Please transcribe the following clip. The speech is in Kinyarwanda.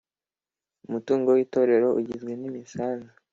Umutungo w Itorero ugizwe n imisanzu